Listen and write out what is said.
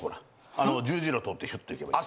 あの十字路通ってシュッと行けばいい。